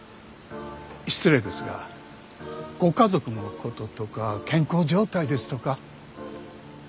失礼ですがご家族のこととか健康状態ですとか。